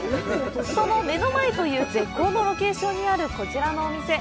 その目の前という絶好のロケーションにあるこちらのお店。